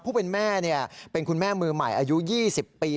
ผู้เป็นแม่เป็นคุณแม่มือใหม่อายุ๒๐ปี